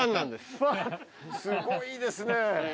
すごいですね。